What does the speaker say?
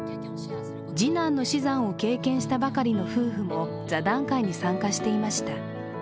次男の死産を経験したばかりの夫婦も座談会に参加していました。